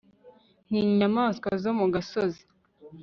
ntinya inyamaswa zo mu gasozi